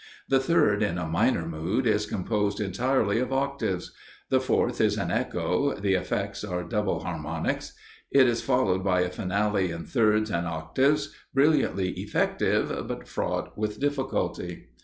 The third, in a minor mood, is composed nearly of octaves. The fourth is an echo, the effects are double harmonics. It is followed by a finale in thirds and octaves, brilliantly effective, but fraught with difficulty.